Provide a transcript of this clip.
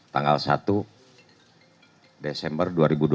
tanggal satu desember dua ribu dua puluh